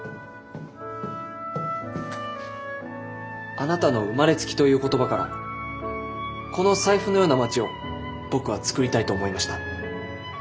あなたの「生まれつき」という言葉からこの財布のような街を僕は作りたいと思いました。